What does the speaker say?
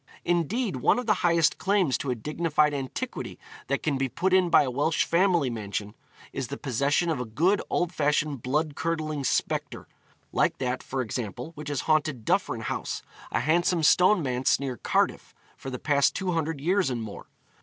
Indeed one of the highest claims to a dignified antiquity that can be put in by a Welsh family mansion, is the possession of a good old fashioned blood curdling spectre like that, for example, which has haunted Duffryn House, a handsome stone manse near Cardiff, for the past two hundred years and more.